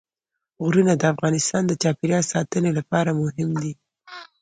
غرونه د افغانستان د چاپیریال ساتنې لپاره مهم دي.